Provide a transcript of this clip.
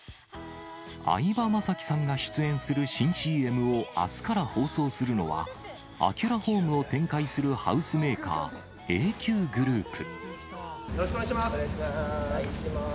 相葉雅紀さんが出演する新ＣＭをあすから放送するのは、アキュラホームを展開するハウスメーカー、よろしくお願いします。